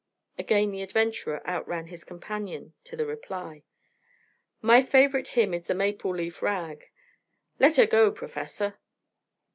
Again the adventurer outran his companion to the reply: "My favorite hymn is the Maple Leaf Rag. Let her go, professor."